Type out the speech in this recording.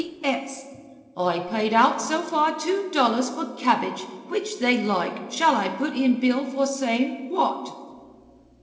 P. S. I paid out so far two dollars for cabbage which they like shall I put in bill for same what?"